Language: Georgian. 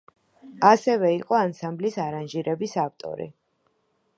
ასევე იყო ანსამბლის არანჟირების ავტორი.